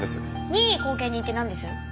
任意後見人ってなんです？